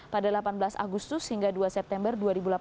pada delapan belas agustus hingga dua september dua ribu delapan belas